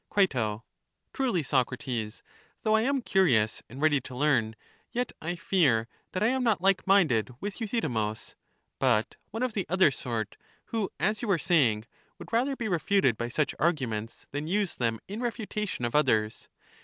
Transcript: CrL Truly, Socrates, though I am curious and ready to learn, yet I fear that I am not like minded with Euthydemus, but one of the other sort, who, as you were saying, would rather be refuted by such arguments than use them in refutation of others.